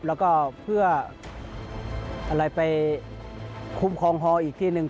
แล้วก็เพื่ออะไรไปคุ้มครองฮออีกที่หนึ่ง